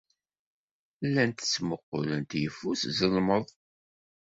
Llant ttmuqqulent yeffus, zelmeḍ.